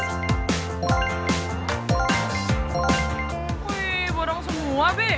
kuy borong semua be